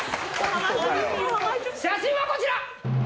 ・写真はこちら！